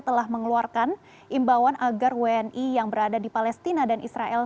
telah mengeluarkan imbauan agar wni yang berada di palestina dan israel